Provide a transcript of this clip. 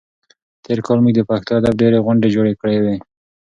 تېر کال موږ د پښتو ادب ډېرې غونډې جوړې کړې وې.